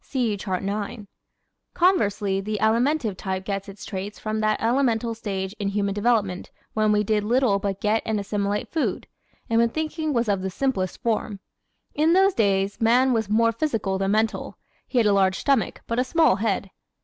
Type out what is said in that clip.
(See Chart 9) Conversely, the Alimentive type gets its traits from that elemental stage in human development when we did little but get and assimilate food, and when thinking was of the simplest form. In those days man was more physical than mental; he had a large stomach but a small head.